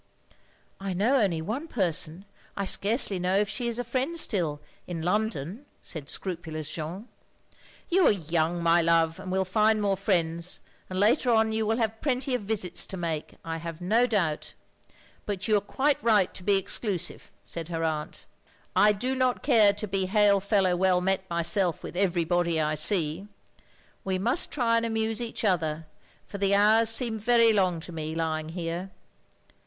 "I know only one person — I scarcely know if she is a friend still — ^in London, " said scruptalous Jeanne. "You are young, my love, and will find more friends ; and later on you will have plenty of visits to make, I have no doubt. But you are quite right to be exclusive," said her aunt, "I do not care to be hail fellow well met myself with every body I see. We must try and amuse each other, for the hoxirs seem very long to me, lying here."